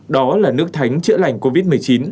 đó là nước thánh chữa lành covid một mươi chín